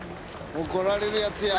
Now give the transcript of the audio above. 怒られるやつや。